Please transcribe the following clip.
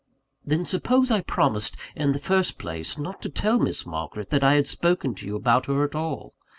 "Then suppose I promised, in the first place, not to tell Miss Margaret that I had spoken to you about her at all.